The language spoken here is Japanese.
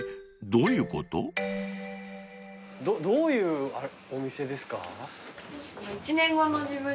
どどういうお店ですか？